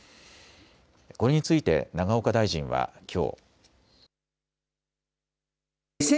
これについて永岡大臣はきょう。